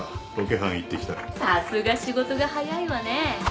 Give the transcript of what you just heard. さすが仕事が早いわね。